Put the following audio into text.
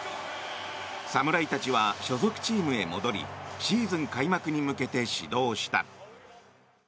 侍たちは所属チームへ戻りシーズン開幕に向けて始動した。